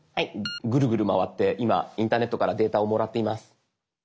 グルグル回って今インターネットからデータをもらっています。